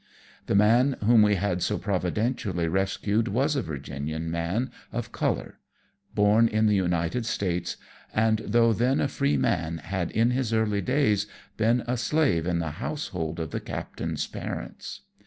" The man whom we had so providentially rescued was a Virginian man of colour, born in the United States, and though then a free man had in his early days been a slave in the household of the captain's parents.